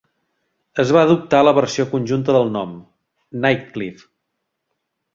Es va adoptar la versió conjunta del nom, "Nightcliff".